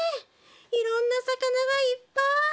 いろんな魚がいっぱい。